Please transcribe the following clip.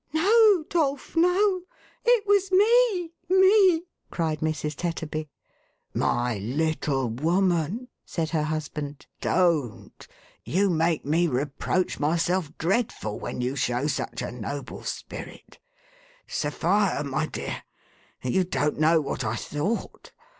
1" " No, Dolf, no. It was me ! Me !" cried Mrs. Tetterby. " My little woman," said her husband, " don't. You make me reproach myself dreadful, when you show such a noble spirit. Sophia, my dear, you don't know what I thought.